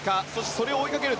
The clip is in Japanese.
それを追いかける